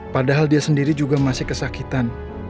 padahal dia sendiri juga masih kesakitan